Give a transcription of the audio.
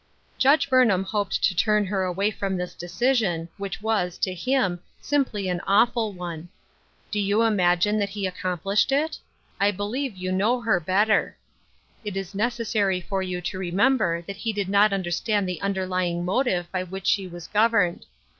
''^ Judge Burnham hoped to turn her away from this decision, which was, to him, simply an awful one ! Do you imagine that he accom ^Lohedit? 1 believe you know her batter. It 266 Ruth Erakines Crosses. is necessary for you to remember that he did not understand the underlying motive by which she was governed.